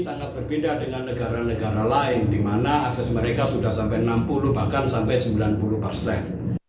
sangat berbeda dengan negara negara lain di mana akses mereka sudah sampai enam puluh bahkan sampai sembilan puluh persen